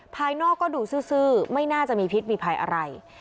ภายนอกก็ดูซื่อไม่น่าจะมีพิษมีภัยอะไร